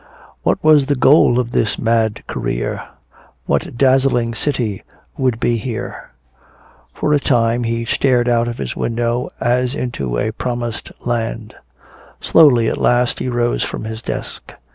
What was the goal of this mad career? What dazzling city would be here? For a time he stared out of his window as into a promised land. Slowly at last he rose from his desk.